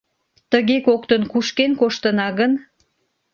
Тыге коктын кушкен коштына гын...